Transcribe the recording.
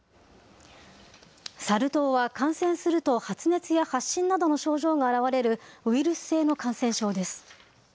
サル痘は感染すると発熱や発疹などの症状があらわれるウイルス性の感染症です。